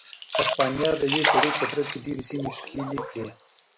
هسپانیا د یوې پېړۍ په ترڅ کې ډېرې سیمې ښکېلې کړې.